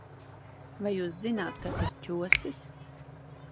Vai Jūs zināt ,kas ir ķocis?